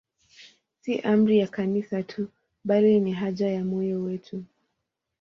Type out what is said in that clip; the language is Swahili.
Si amri ya Kanisa tu, bali ni haja ya moyo wetu.